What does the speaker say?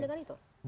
nah sementara begini